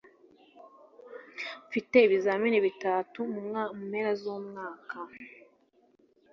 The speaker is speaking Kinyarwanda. Mfite ibizamini bitatu mu mpera zumwaka.